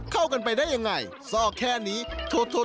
เข้ากันไปได้อย่างไรซอกแค่นี้โถโถ